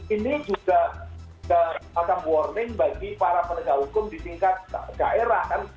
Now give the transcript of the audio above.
ini juga semacam warning bagi para penegak hukum di tingkat daerah kan